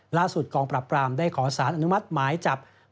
กองปรับปรามได้ขอสารอนุมัติหมายจับ